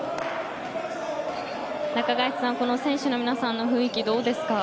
中垣内さん、この選手の皆さんの雰囲気、どうですか？